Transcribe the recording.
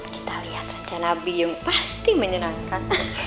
kita lihat rencana bium pasti menyenangkan